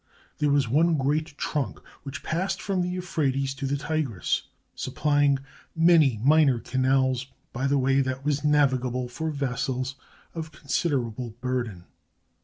There was one great trunk which passed from the Euphrates to the 5" MESOPOTAMIA Tigris, supplying many minor canals by the way, that was navigable for vessels of considerable burden.